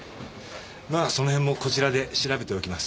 まあその辺もこちらで調べておきます。